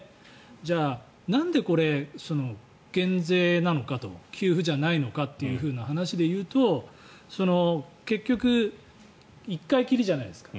じゃあ、なんでこれ減税なのかと給付じゃないのかという話でいうと結局、１回きりじゃないですか。